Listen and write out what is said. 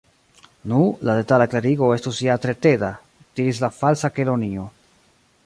"Nu, la detala klarigo estus ja tre teda," diris la Falsa Kelonio.